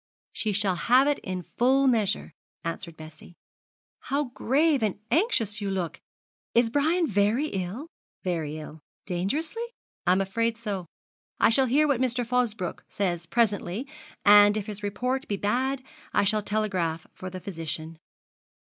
'She shall have it in full measure,' answered Bessie. 'How grave and anxious you look! Is Brian very ill?' 'Very ill.' 'Dangerously?' 'I am afraid so. I shall hear what Mr. Fosbroke says presently, and if his report be bad, I shall telegraph for the physician.'